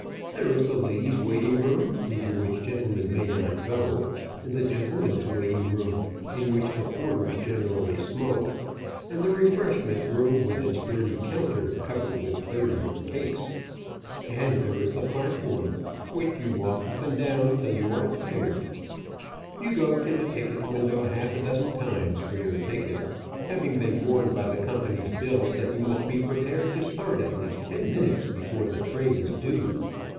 There is the ladies' waiting room, into which gentlemen may not go, and the gentlemen's waiting room, in which the porters generally smoke, and the refreshment room, with its dirty counter covered with dirtier cakes. And there is the platform, which you walk up and down till you are tired. You go to the ticket window half a dozen times for your ticket, having been warned by the company's bills that you must be prepared to start at least ten minutes before the train is due.